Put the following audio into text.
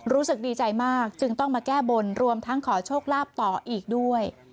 รู้สึกดีใจมากจึงต้องมาแก้บนรวมทั้งขอโชคลาภต่ออีกด้วย